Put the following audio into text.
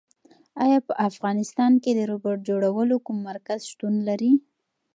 ایا په افغانستان کې د روبوټ جوړولو کوم مرکز شتون لري؟